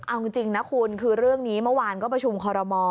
เอาจริงนะคุณคือเรื่องนี้เมื่อวานก็ประชุมคอรมอล